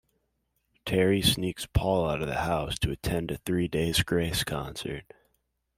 Terri sneaks Paul out of the house to attend a Three Days Grace concert.